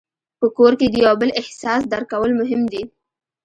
په کور کې د یو بل احساس درک کول مهم دي.